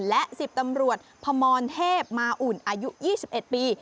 และ๑๐ตำรวจพมรเทพมาอุ่นอายุ๒๑ปี